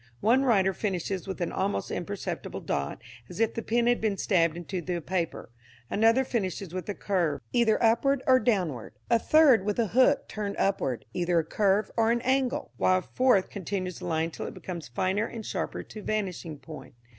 One writer finishes with an almost imperceptible dot, as if the pen had been stabbed into the paper; another finishes with a curve, either upward or downward; a third with a hook turned upward, either a curve or an angle; while a fourth continues the line till it becomes finer and sharper to vanishing point.